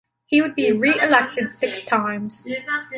He would be re-elected six times.